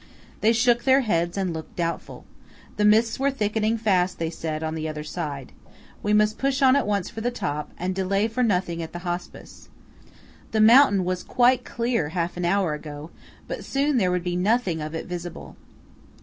They shook their heads and looked doubtful. The mists were thickening fast, they said, on the other side. We must push on at once for the top, and delay for nothing at the Hospice. The mountain was quite clear half an hour ago–but soon there would be nothing of it visible.